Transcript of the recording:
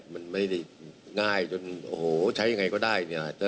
มันไม่ได้ง่ายจนใช้ยังไงก็ได้